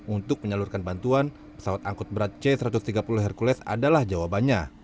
untuk menyalurkan bantuan pesawat angkut berat c satu ratus tiga puluh hercules adalah jawabannya